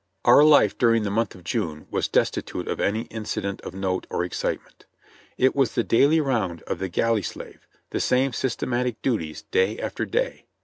Our life during the month of June was destitute of any incident of note or excitement. It was the daily round of the galley slave ; the same systematic duties day after day.